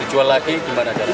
dijual lagi gimana